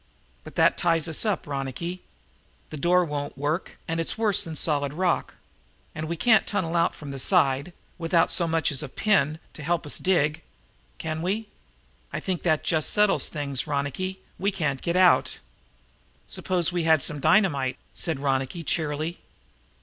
"But that ties us up, Ronicky. The door won't work, and it's worse than solid rock. And we can't tunnel out the side, without so much as a pin to help us dig, can we? I think that just about settles things. Ronicky, we can't get out." "Suppose we had some dynamite," said Ronicky cheerily.